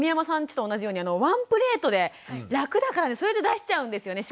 ちと同じようにワンプレートで楽だからそれで出しちゃうんですよね